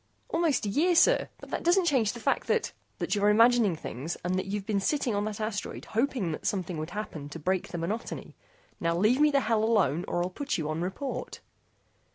"Almost a year, sir, but that doesn't change the fact that " "That you're imagining things and that you've been sitting on that asteroid hoping that something would happen to break the monotony. Now leave me the hell alone or I'll put you on report."